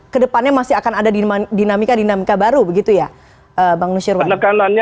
kedepannya masih akan ada dinamika dinamika baru begitu ya bang nusyirwan